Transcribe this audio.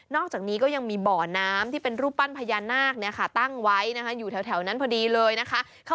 นอกจากนี้ก็ยังมีบ่อน้ำที่เป็นรูปปั้นพญานาคตั้งไว้นะคะ